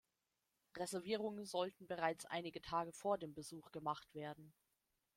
Reservierungen sollten bereits einige Tage vor dem Besuch gemacht werden.